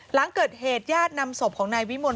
หลังเกิดเหตุญาตินำศพของนายวิมล